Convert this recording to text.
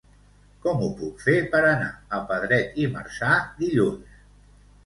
Com ho puc fer per anar a Pedret i Marzà dilluns?